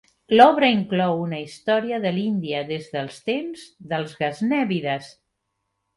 L'obra inclou una història de l'Índia des del temps dels gaznèvides.